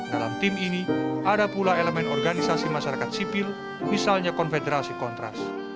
dalam tim ini ada pula elemen organisasi masyarakat sipil misalnya konfederasi kontras